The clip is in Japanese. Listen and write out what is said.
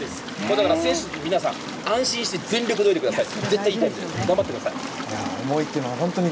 だから選手の皆さん、安心して全力で泳いでください。